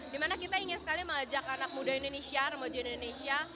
dimana kita ingin sekali mengajak anak muda indonesia remaja indonesia